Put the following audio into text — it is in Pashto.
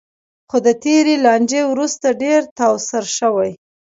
خو د تېرې لانجې وروسته ډېر تاوسر شوی.